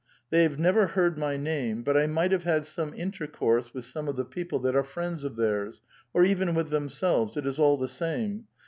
They have never heard my name. But I might have had some intercourse with some of the people that are friends of theirs, or even with themselves ; it is all the same.